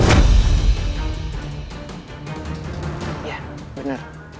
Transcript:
dan yang ada di depan itu adalah pendekar gendeng